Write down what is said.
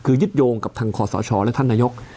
คือยึดโยงกับทางขอสชและท่านนายก